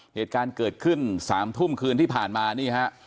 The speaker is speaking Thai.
เหตุการณ์เกิดขึ้น๓ทุ่มคืนที่ผ่านมานี่ฮะ